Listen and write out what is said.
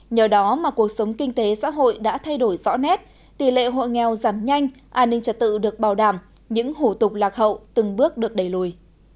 nhờ đó mà cuộc sống kinh tế xã hội đã thay đổi rõ nét tỷ lệ hộ nghèo giảm nhanh an ninh trật tự được bảo đảm những hổ tục lạc hậu từng bước được đẩy lùi